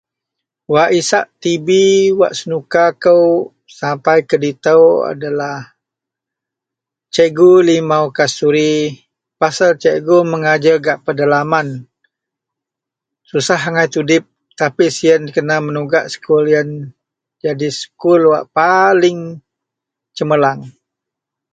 wak isak tv wak senuka kou sapai keditou adalah cikgu limau kasturi, pasel cikgu megajer gak pedalaman, susah agai tudip tapi sien kena menugak skul ien jadi skul wak paling cemerlang